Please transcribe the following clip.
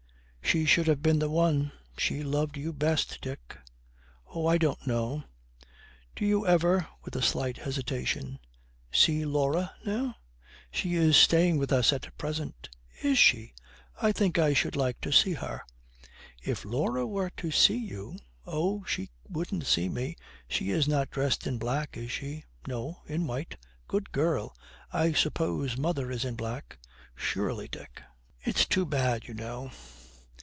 'She should have been the one; she loved you best, Dick.' 'Oh, I don't know. Do you ever,' with a slight hesitation, 'see Laura now?' 'She is staying with us at present.' 'Is she? I think I should like to see her.' 'If Laura were to see you ' 'Oh, she wouldn't see me. She is not dressed in black, is she?' 'No, in white.' 'Good girl! I suppose mother is in black?' 'Surely, Dick.' 'It's too bad, you know.'